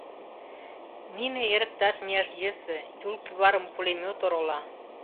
Мине эрыкташ мияш йӧсӧ: Юл кӱварым пулемёт орола.